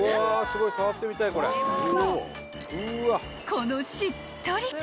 ［このしっとり感］